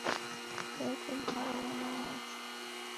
তুমি খুব ভালো মনের মানুষ।